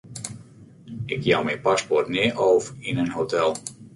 Ik jou myn paspoart nea ôf yn in hotel.